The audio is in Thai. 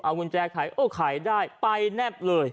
เอากุญแจขายโอเคได้ไปแนบแล้ว